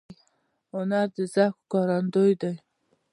هنر د ذوق ښکارندوی دی